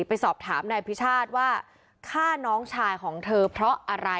ไปสอบถามนายพิชาติว่าฆ่าน้องชายของเธอเพราะอะไร